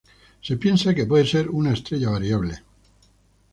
Se piensa que puede ser una estrella variable.